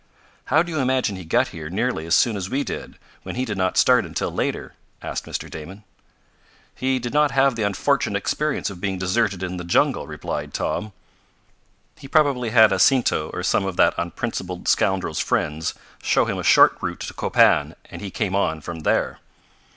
"How do you imagine he got here nearly as soon as we did, when he did not start until later?" asked Mr. Damon. "He did not have the unfortunate experience of being deserted in the jungle," replied Tom. "He probably had Jacinto, or some of that unprincipled scoundrel's friends, show him a short route to Copan and he came on from there."